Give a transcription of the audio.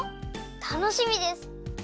たのしみです！